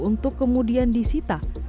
untuk kemudian disita